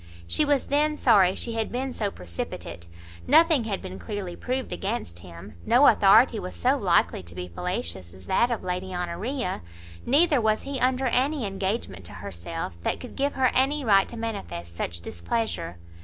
She was then sorry she had been so precipitate; nothing had been clearly proved against him; no authority was so likely to be fallacious as that of Lady Honoria; neither was he under any engagement to herself that could give her any right to manifest such displeasure.